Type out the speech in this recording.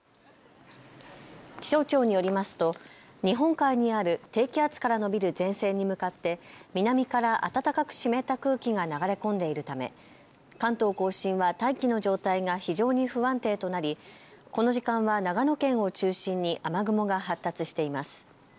気象庁によりますと日本海にある低気圧から延びる前線に向かって南から暖かく湿った空気が流れ込んでいるため、関東甲信は大気の状態が非常に不安定となりこの時間は長野県を中心に雨雲が発達しています。